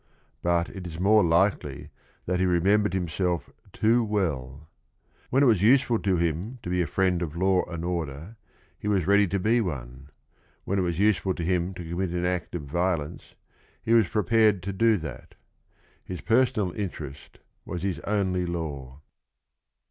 But it is more likely that he remembered himself too well. When it was useful to him to be a friend of law and order, he was ready to be one; when it was useful to him to commit an act of violence, he was prepared to do that. His personal interest was his only law.